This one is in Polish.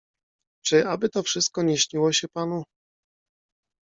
"Czy aby to wszystko nie śniło się panu?"